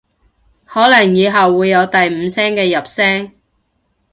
可能以後會有第五聲嘅入聲